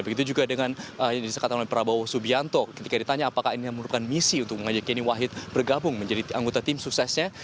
begitu juga dengan yang disekat oleh prabowo subianto ketika ditanya apakah ini merupakan misi untuk mengajak yeni wahid bergabung menjadi anggota tim suksesnya